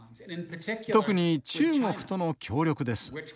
特に中国との協力です。